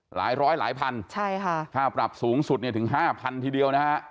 หลายร้อยหลายพันธุ์ใช่ค่ะค่าปรับสูงสุดถึง๕๐๐๐ทีเดียวนะฮะ